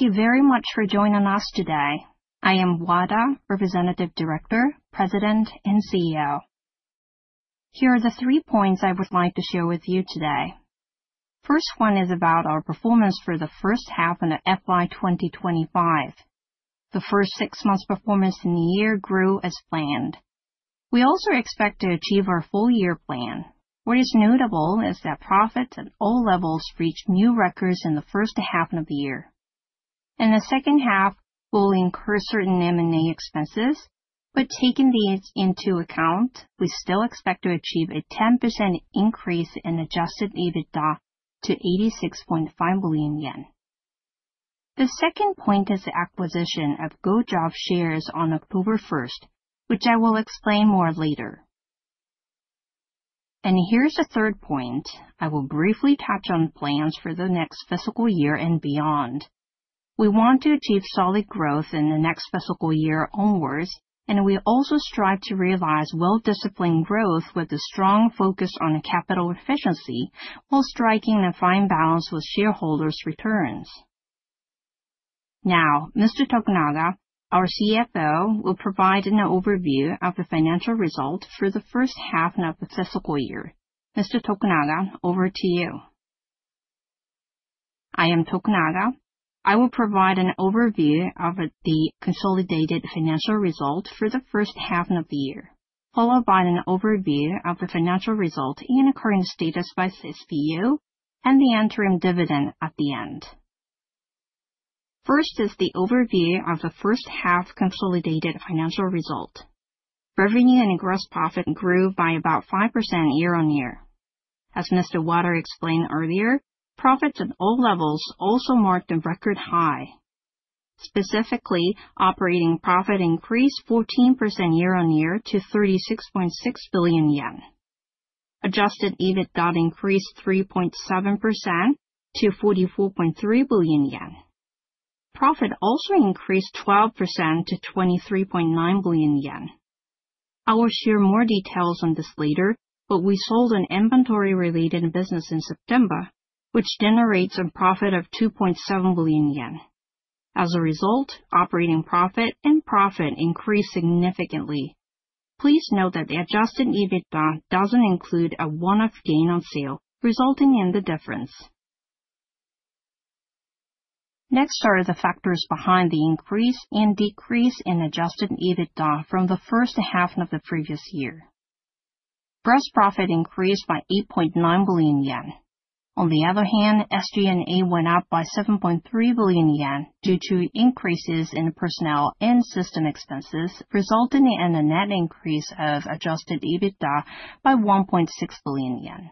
Thank you very much for joining us today. I am Wada, Representative Director, President, and CEO. Here are the three points I would like to share with you today. The first one is about our performance for the first half of the fiscal year 2025. The first six months' performance in the year grew as planned. We also expect to achieve our full-year plan. What is notable is that profits at all levels reached new records in the first half of the year. In the second half, we will incur certain M&A expenses, but taking these into account, we still expect to achieve a 10% increase in adjusted EBITDA to 86.5 billion yen. The second point is the acquisition of Gojob shares on October 1st, which I will explain more later. Here is the third point. I will briefly touch on plans for the next fiscal year and beyond. We want to achieve solid growth in the next fiscal year onwards, and we also strive to realize well-disciplined growth with a strong focus on capital efficiency while striking a fine balance with shareholders' returns. Now, Mr. Tokunaga, our CFO, will provide an overview of the financial results for the first half of the fiscal year. Mr. Tokunaga, over to you. I am Tokunaga. I will provide an overview of the consolidated financial result for the first half of the year, followed by an overview of the financial result and current status by SBU, and the interim dividend at the end. First is the overview of the first half consolidated financial result. Revenue and gross profit grew by about 5% year on year. As Mr. Wada explained earlier, profits at all levels also marked a record high. Specifically, operating profit increased 14% year on year to 36.6 billion yen. Adjusted EBITDA increased 3.7% to 44.3 billion yen. Profit also increased 12% to 23.9 billion yen. I will share more details on this later, but we sold an inventory-related business in September, which generates a profit of 2.7 billion yen. As a result, operating profit and profit increased significantly. Please note that the adjusted EBITDA doesn't include a one-off gain on sale, resulting in the difference. Next are the factors behind the increase and decrease in adjusted EBITDA from the first half of the previous year. Gross profit increased by 8.9 billion yen. On the other hand, SG&A went up by 7.3 billion yen due to increases in personnel and system expenses, resulting in a net increase of adjusted EBITDA by 1.6 billion yen.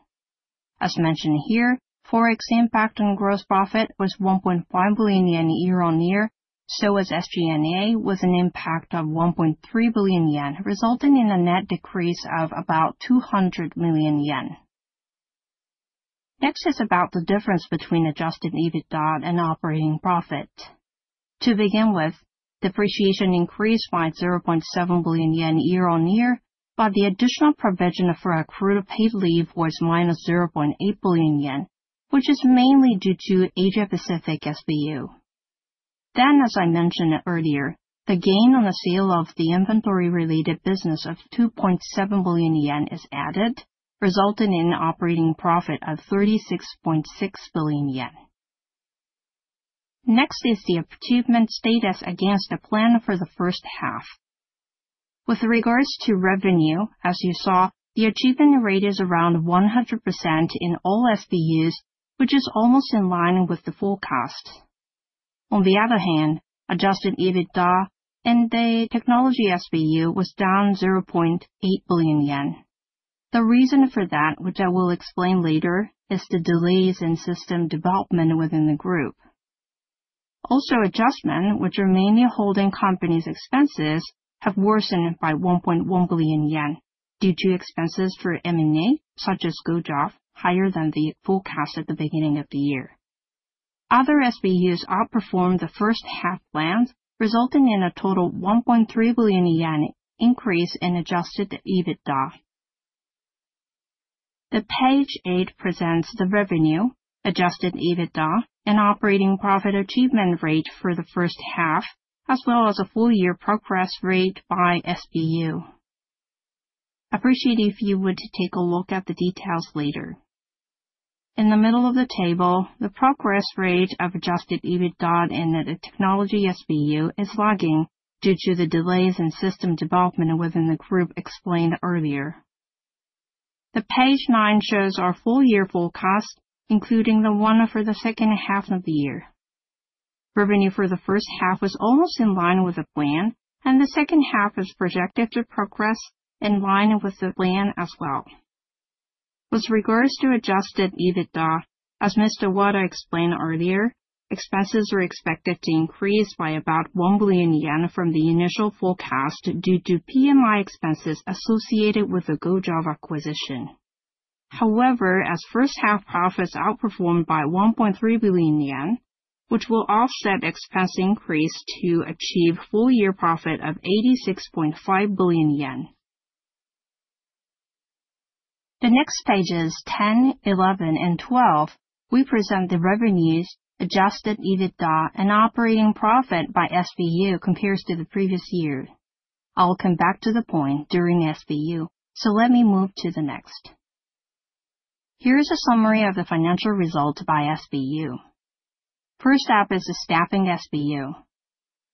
As mentioned here, Forex impact on gross profit was 1.5 billion yen year on year, so as SG&A was an impact of 1.3 billion yen, resulting in a net decrease of about 200 million yen. Next is about the difference between adjusted EBITDA and operating profit. To begin with, depreciation increased by 0.7 billion yen year on year, but the additional provision for accrued paid leave was minus 0.8 billion yen, which is mainly due to Asia-Pacific SBU. As I mentioned earlier, the gain on the sale of the inventory-related business of 2.7 billion yen is added, resulting in an operating profit of 36.6 billion yen. Next is the achievement status against the plan for the first half. With regards to revenue, as you saw, the achievement rate is around 100% in all SBUs, which is almost in line with the forecast. On the other hand, adjusted EBITDA in the technology SBU was down 0.8 billion yen. The reason for that, which I will explain later, is the delays in system development within the group. Also, adjustment, which remained a holding company's expenses, have worsened by 1.1 billion yen due to expenses for M&A, such as Gojob, higher than the forecast at the beginning of the year. Other SBUs outperformed the first half planned, resulting in a total 1.3 billion yen increase in adjusted EBITDA. Page eight presents the revenue, adjusted EBITDA, and operating profit achievement rate for the first half, as well as a full-year progress rate by SBU. I appreciate if you would take a look at the details later. In the middle of the table, the progress rate of adjusted EBITDA and the technology SBU is lagging due to the delays in system development within the group explained earlier. Page nine shows our full-year forecast, including the one for the second half of the year. Revenue for the first half was almost in line with the plan, and the second half is projected to progress in line with the plan as well. With regards to adjusted EBITDA, as Mr. Wada explained earlier, expenses are expected to increase by about 1 billion yen from the initial forecast due to PMI expenses associated with the Gojob acquisition. However, as first half profits outperformed by 1.3 billion yen, which will offset expense increase to achieve full-year profit of 86.5 billion yen. The next pages, 10, 11, and 12, we present the revenues, adjusted EBITDA, and operating profit by SBU compared to the previous year. I'll come back to the point during SBU, so let me move to the next. Here is a summary of the financial result by SBU. First up is the staffing SBU.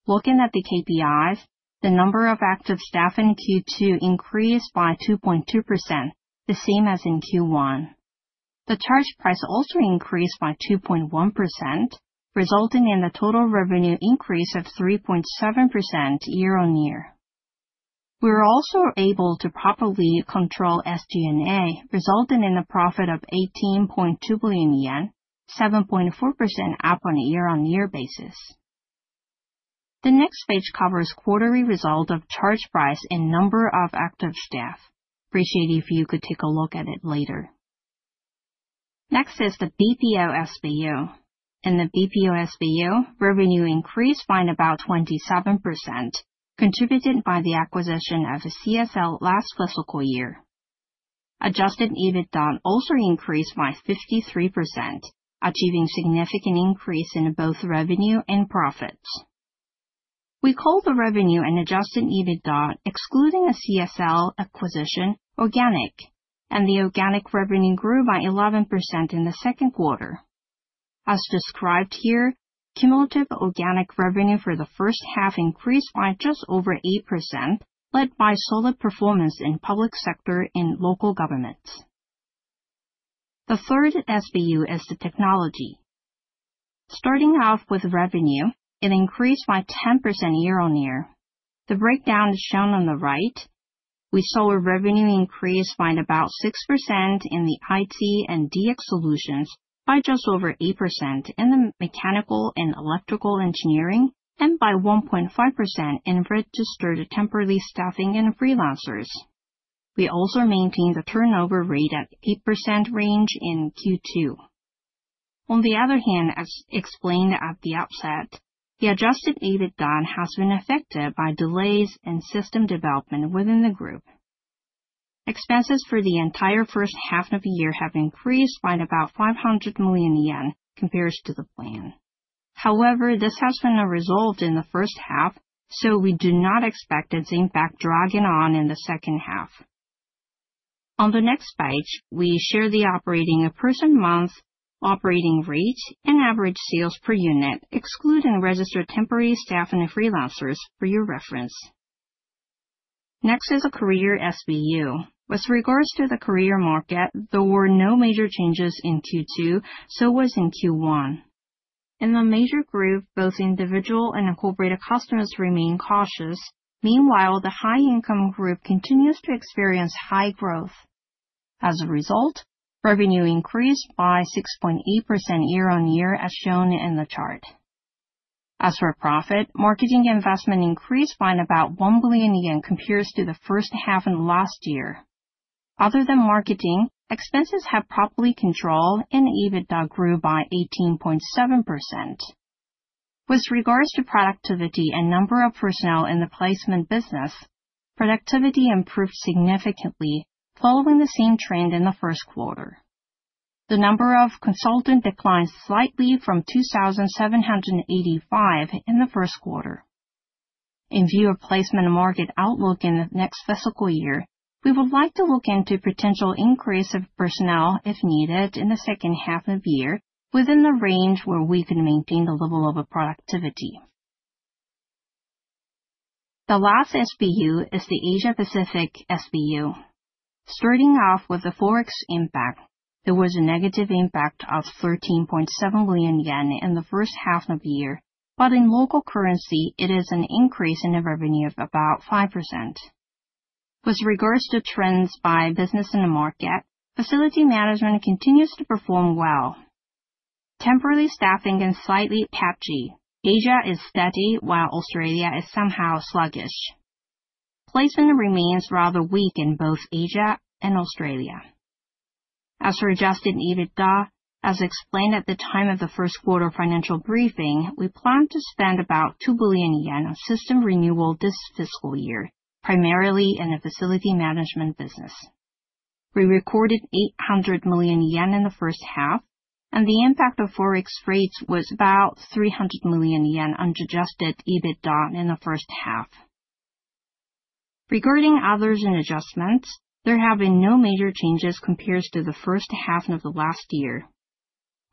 Looking at the KPIs, the number of active staff in Q2 increased by 2.2%, the same as in Q1. The charge price also increased by 2.1%, resulting in a total revenue increase of 3.7% year on year. We were also able to properly control SG&A, resulting in a profit of JPY 18.2 billion, 7.4% up on a year-on-year basis. The next page covers quarterly result of charge price and number of active staff. Appreciate if you could take a look at it later. Next is the BPO SBU. In the BPO SBU, revenue increased by about 27%, contributed by the acquisition of CSL last fiscal year. Adjusted EBITDA also increased by 53%, achieving significant increase in both revenue and profits. We called the revenue and adjusted EBITDA, excluding a CSL acquisition, organic, and the organic revenue grew by 11% in the second quarter. As described here, cumulative organic revenue for the first half increased by just over 8%, led by solid performance in public sector and local governments. The third SBU is the technology. Starting off with revenue, it increased by 10% year on year. The breakdown is shown on the right. We saw a revenue increase by about 6% in the IT and DX solutions, by just over 8% in the mechanical and electrical engineering, and by 1.5% in registered temporary staffing and freelancers. We also maintained the turnover rate at 8% range in Q2. On the other hand, as explained at the outset, the adjusted EBITDA has been affected by delays in system development within the group. Expenses for the entire first half of the year have increased by about 500 million yen compared to the plan. However, this has been resolved in the first half, so we do not expect the same backdragging on in the second half. On the next page, we share the operating person month, operating rate, and average sales per unit, excluding registered temporary staff and freelancers for your reference. Next is a career SBU. With regards to the career market, there were no major changes in Q2, so was in Q1. In the major group, both individual and incorporated customers remain cautious. Meanwhile, the high-income group continues to experience high growth. As a result, revenue increased by 6.8% year on year, as shown in the chart. As for profit, marketing investment increased by about 1 billion yen compared to the first half of last year. Other than marketing, expenses have properly controlled, and EBITDA grew by 18.7%. With regards to productivity and number of personnel in the placement business, productivity improved significantly, following the same trend in the first quarter. The number of consultants declined slightly from 2,785 in the first quarter. In view of placement market outlook in the next fiscal year, we would like to look into potential increase of personnel if needed in the second half of the year, within the range where we can maintain the level of productivity. The last SBU is the Asia-Pacific SBU. Starting off with the Forex impact, there was a negative impact of 13.7 billion yen in the first half of the year, but in local currency, it is an increase in the revenue of about 5%. With regards to trends by business in the market, facility management continues to perform well. Temporary staffing is slightly patchy. Asia is steady, while Australia is somehow sluggish. Placement remains rather weak in both Asia and Australia. As for adjusted EBITDA, as explained at the time of the first quarter financial briefing, we plan to spend about 2 billion yen on system renewal this fiscal year, primarily in the facility management business. We recorded 800 million yen in the first half, and the impact of Forex rates was about 300 million yen on adjusted EBITDA in the first half. Regarding others and adjustments, there have been no major changes compared to the first half of the last year.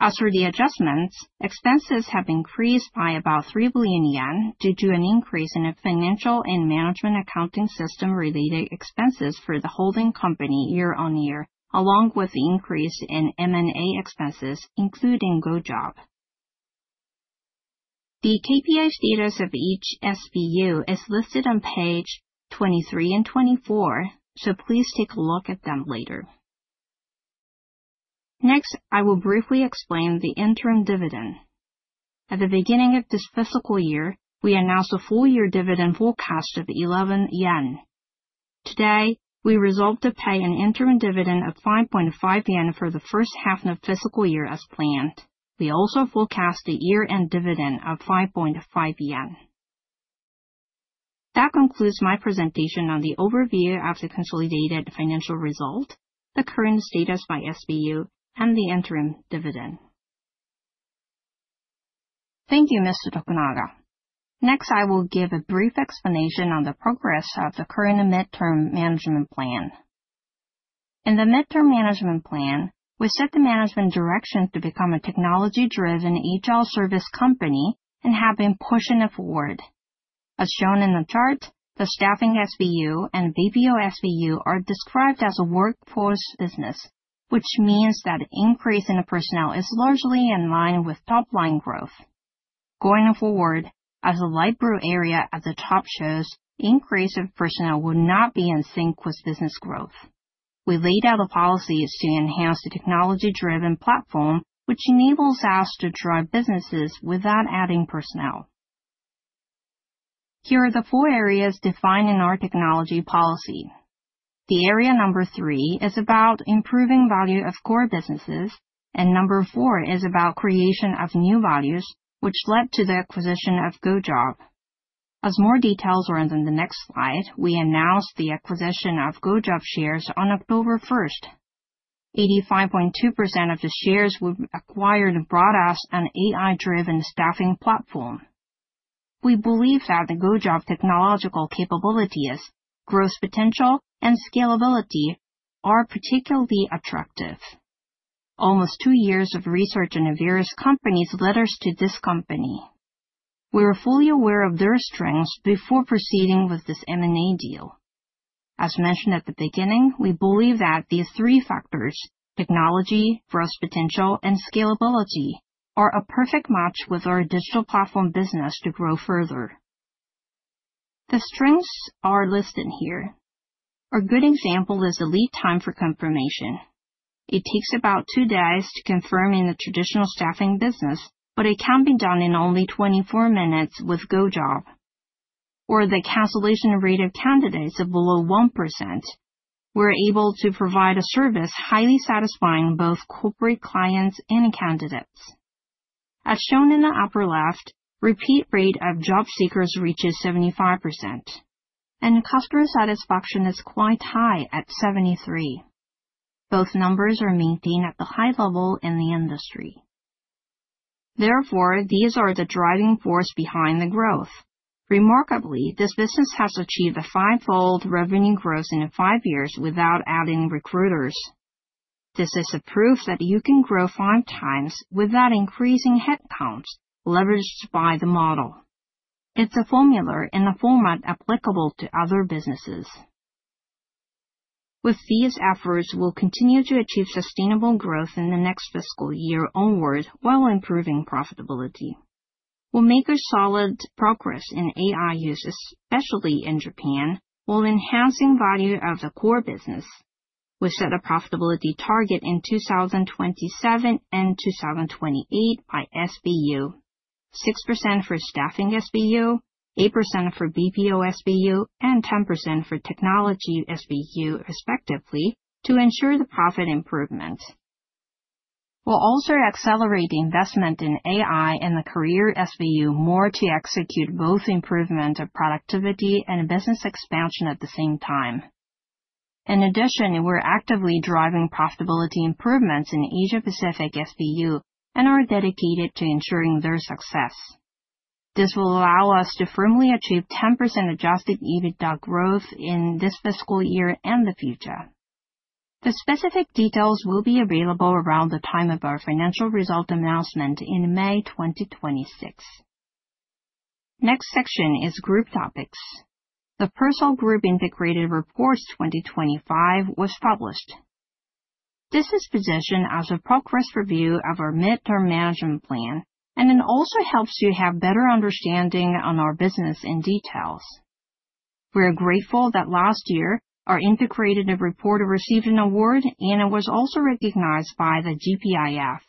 As for the adjustments, expenses have increased by about 3 billion yen due to an increase in financial and management accounting system-related expenses for the holding company year on year, along with the increase in M&A expenses, including Gojob. The KPIs status of each SBU is listed on page 23 and 24, so please take a look at them later. Next, I will briefly explain the interim dividend. At the beginning of this fiscal year, we announced a full-year dividend forecast of 11 yen. Today, we resolved to pay an interim dividend of 5.5 yen for the first half of the fiscal year as planned. We also forecast a year-end dividend of 5.5 yen. That concludes my presentation on the overview of the consolidated financial result, the current status by SBU, and the interim dividend. Thank you, Mr. Tokunaga. Next, I will give a brief explanation on the progress of the current midterm management plan. In the midterm management plan, we set the management direction to become a technology-driven agile service company and have been pushing it forward. As shown in the chart, the staffing SBU and BPO SBU are described as a workforce business, which means that the increase in personnel is largely in line with top-line growth. Going forward, as the light blue area at the top shows, the increase of personnel will not be in sync with business growth. We laid out the policies to enhance the technology-driven platform, which enables us to drive businesses without adding personnel. Here are the four areas defined in our technology policy. The area number three is about improving value of core businesses, and number four is about creation of new values, which led to the acquisition of Gojob. As more details are in the next slide, we announced the acquisition of Gojob shares on October 1. 85.2% of the shares we acquired brought us an AI-driven staffing platform. We believe that the Gojob technological capabilities, growth potential, and scalability are particularly attractive. Almost two years of research in various companies led us to this company. We were fully aware of their strengths before proceeding with this M&A deal. As mentioned at the beginning, we believe that these three factors, technology, growth potential, and scalability, are a perfect match with our digital platform business to grow further. The strengths are listed here. A good example is the lead time for confirmation. It takes about two days to confirm in the traditional staffing business, but it can be done in only 24 minutes with Gojob. Or the cancellation rate of candidates of below 1%. We're able to provide a service highly satisfying both corporate clients and candidates. As shown in the upper left, the repeat rate of job seekers reaches 75%, and customer satisfaction is quite high at 73%. Both numbers are maintained at the high level in the industry. Therefore, these are the driving force behind the growth. Remarkably, this business has achieved a five-fold revenue growth in five years without adding recruiters. This is a proof that you can grow five times without increasing headcounts leveraged by the model. It's a formula in a format applicable to other businesses. With these efforts, we'll continue to achieve sustainable growth in the next fiscal year onward while improving profitability. We'll make a solid progress in AI use, especially in Japan, while enhancing value of the core business. We set a profitability target in 2027 and 2028 by SBU, 6% for staffing SBU, 8% for BPO SBU, and 10% for technology SBU, respectively, to ensure the profit improvements. We'll also accelerate the investment in AI and the career SBU more to execute both improvement of productivity and business expansion at the same time. In addition, we're actively driving profitability improvements in Asia-Pacific SBU and are dedicated to ensuring their success. This will allow us to firmly achieve 10% adjusted EBITDA growth in this fiscal year and the future. The specific details will be available around the time of our financial result announcement in May 2026. Next section is group topics. The Persol Group Integrated Reports 2025 was published. This is positioned as a progress review of our midterm management plan and also helps you have a better understanding of our business in details. We're grateful that last year, our integrated report received an award and it was also recognized by the GPIF.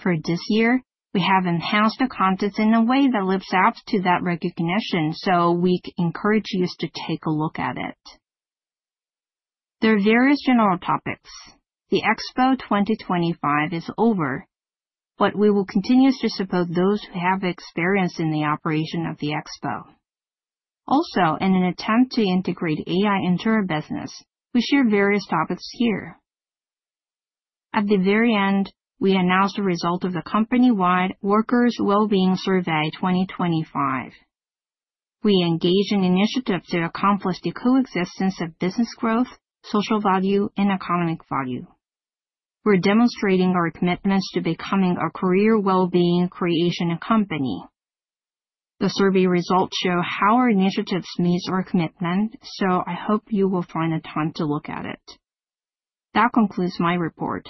For this year, we have enhanced the contents in a way that lives up to that recognition, so we encourage you to take a look at it. There are various general topics. The Expo 2025 is over, but we will continue to support those who have experience in the operation of the Expo. Also, in an attempt to integrate AI into our business, we share various topics here. At the very end, we announced the result of the company-wide Workers' Well-being Survey 2025. We engage in initiatives to accomplish the coexistence of business growth, social value, and economic value. We're demonstrating our commitments to becoming a career well-being creation company. The survey results show how our initiatives meet our commitment, so I hope you will find the time to look at it. That concludes my report.